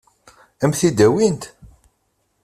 Ad m-t-id-awint?